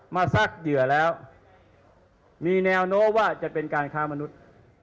ซักเหยื่อแล้วมีแนวโน้มว่าจะเป็นการค้ามนุษย์